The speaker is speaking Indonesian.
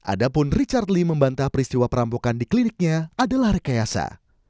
adapun richard lee membantah peristiwa perampokan di kliniknya adalah rekayasa